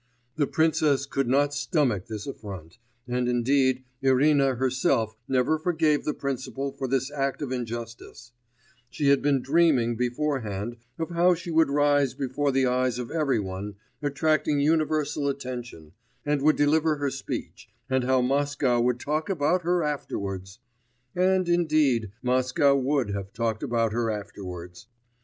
The princess could not stomach this affront; and indeed Irina herself never forgave the principal for this act of injustice; she had been dreaming beforehand of how she would rise before the eyes of every one, attracting universal attention, and would deliver her speech, and how Moscow would talk about her afterwards!... And, indeed, Moscow would have talked about her afterwards.